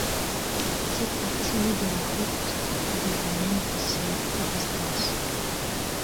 Cette partie de la Route des baleines possède de distance.